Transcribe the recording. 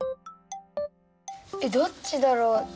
えっどっちだろう？